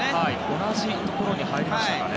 同じところに入りましたね。